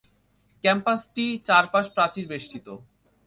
ক্যাম্পাসটি চারপাশ প্রাচীর বেষ্টিত।